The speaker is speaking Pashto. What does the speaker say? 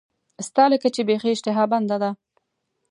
ستا لکه چې بیخي اشتها بنده ده.